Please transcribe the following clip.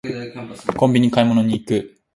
コンビニに買い物に行く